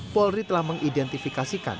polri telah mengidentifikasikan